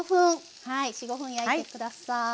４５分焼いてください。